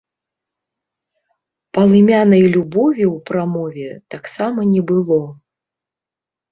Палымянай любові ў прамове таксама не было.